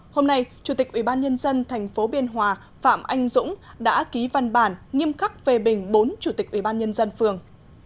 hôm nay chủ tịch ubnd tp biên hòa phạm anh dũng đã ký văn bản nghiêm khắc phê bình bốn chủ tịch ubnd phường